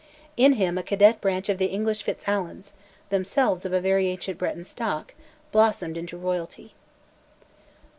In him a cadet branch of the English FitzAlans, themselves of a very ancient Breton stock, blossomed into Royalty.